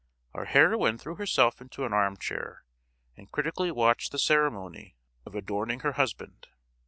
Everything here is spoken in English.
Our heroine threw herself into an arm chair, and critically watched the ceremony of adorning her husband.